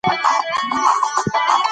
هر بشري واقعیت دوې برخې لري.